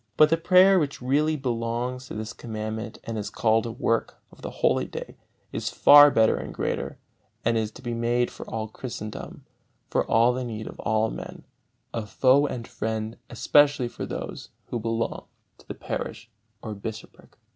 But the prayer which really belongs to this Commandment and is called a work of the Holy Day, is far better and greater, and is to be made for all Christendom, for all the need of all men, of foe and friend, especially for those who belong to the parish or bishopric.